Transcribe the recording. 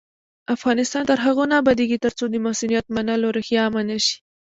افغانستان تر هغو نه ابادیږي، ترڅو د مسؤلیت منلو روحیه عامه نشي.